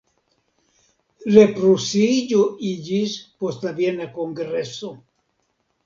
Reprusi-iĝo iĝis post la Viena kongreso.